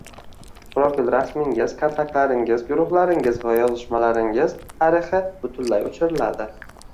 Profil rasmingiz, kontaktlaringiz, guruhlaringiz va yozishmalaringiz tarixi butunlay o’chiriladi